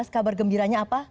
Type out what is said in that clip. kabar gembiranya apa